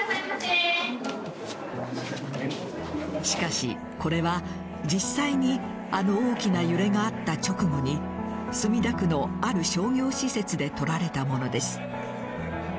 しかし、これは実際にあの大きな揺れがあった直後に墨田区のある商業施設で撮られたものです。